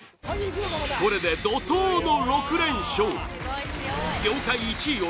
これで怒とうの６連勝！